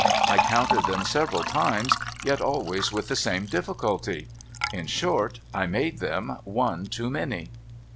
I counted them several times, yet always wdth the same difficulty. In short, I made them one too many.